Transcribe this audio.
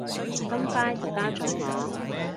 咁快就加咗我